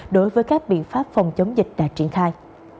đối với các biện pháp phòng chống dịch đã triển khai